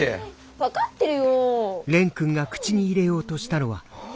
分かってるよ。